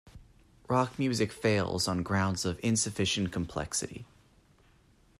Rock music fails on grounds of insufficient complexity.